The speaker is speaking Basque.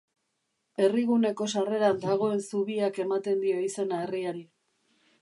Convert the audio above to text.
Herriguneko sarreran dagoen zubiak ematen dio izena herriari.